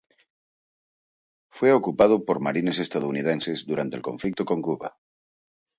Fue ocupado por marines estadounidenses durante el conflicto con Cuba.